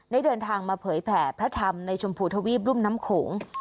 ได้เดินทางมาเผยแผ่พระธรรมในชมพูทวีปรุ่มน้ำโขง